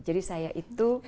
jadi saya itu